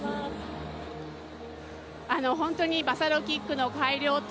本当にバサロキックの改良等